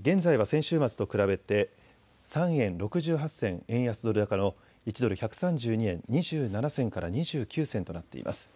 現在は先週末と比べて３円６８銭円安ドル高の１ドル１３２円２７銭から２９銭となっています。